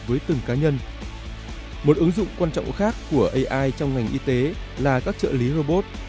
với từng cá nhân một ứng dụng quan trọng khác của ai trong ngành y tế là các trợ lý robot